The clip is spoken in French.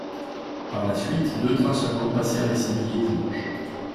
Par la suite, deux trains seulement passèrent les samedis et dimanches.